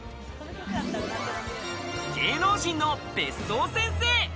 芸能人の別荘先生！